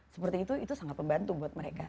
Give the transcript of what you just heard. seperti itu itu sangat membantu buat mereka